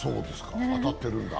当たってるんだ。